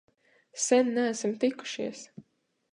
Sen neesam tikušies!